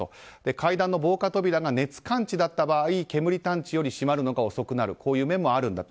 階段の防火扉が熱感知だった場合煙探知よりも閉まるのが遅くなるというこういう面もあるんだと。